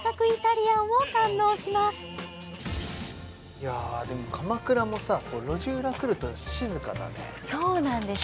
いやあでも鎌倉もさ路地裏来ると静かだねそうなんですよ